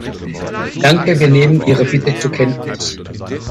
Danke, wir nehmen Ihre Bitte zur Kenntnis.